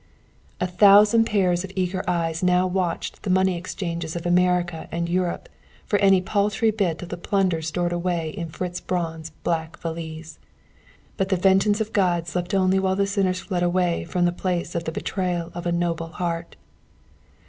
A thousand pairs of eager eyes now watched the money exchanges of America and Europe for any paltry bit of the plunder stored away in Fritz Braun's black valise. But the vengeance of God slept only while the sinners fled away from the place of the betrayal of a noble heart.